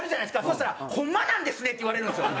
そしたら「ホンマなんですね」って言われるんですよ。